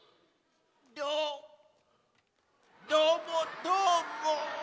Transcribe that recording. どどーもどーも。